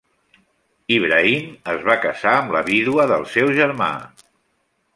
Ibrahim es va casar amb la vídua del seu germà.